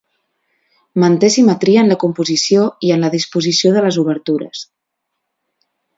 Manté simetria en la composició i en la disposició de les obertures.